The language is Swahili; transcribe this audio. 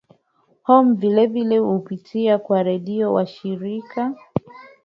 om vile vile kupitia kwa redio washirika